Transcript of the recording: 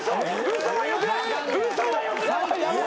嘘はよくない！